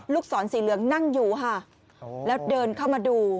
ศรสีเหลืองนั่งอยู่ค่ะแล้วเดินเข้ามาดู